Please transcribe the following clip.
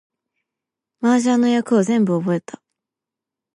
麻雀の役を全部覚えた